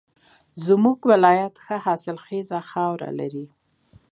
زمونږ ولایت ښه حاصلخیزه خاوره لري